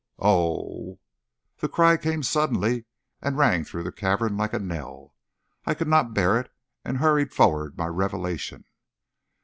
"Oh!" The cry came suddenly, and rang through the cavern like a knell. I could not bear it, and hurried forward my revelation.